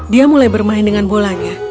dia mulai bermain dengan bolanya